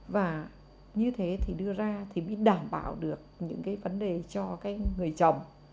và như thế thì đưa ra thì mới đảm bảo được những cái vấn đề cho cái người chồng